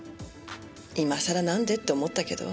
今さらなんで？って思ったけど。